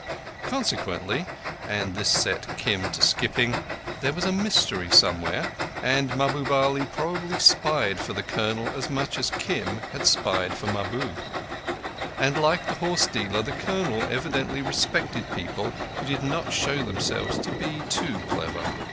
Consequently—and this set Kim to skipping—there was a mystery somewhere, and Mahbub Ali probably spied for the Colonel much as Kim had spied for Mahbub. And, like the horse dealer, the Colonel evidently respected people who did not show themselves to be too clever.